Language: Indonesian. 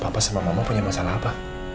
bapak sama mama punya masalah apa